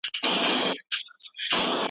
تاسو بايد د سياسي جريانونو ترمنځ توپير وپېژنئ.